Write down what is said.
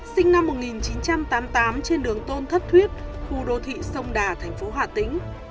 sinh năm một nghìn chín trăm tám mươi tám trên đường tôn thất thuyết khu đô thị sông đà thành phố hà tĩnh